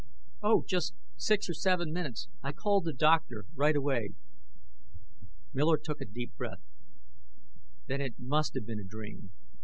"Oh, just six or seven minutes. I called the doctor right away." Miller took a deep breath. Then it must have been a dream.